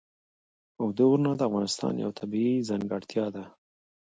اوږده غرونه د افغانستان یوه طبیعي ځانګړتیا ده.